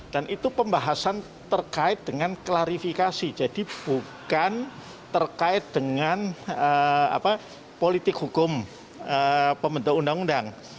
dan itu pembahasan terkait dengan klarifikasi jadi bukan terkait dengan politik hukum pembentuk undang undang